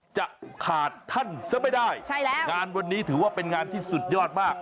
จะขาดท่านซะไม่ได้ใช่แล้วงานวันนี้ถือว่าเป็นงานที่สุดยอดมาก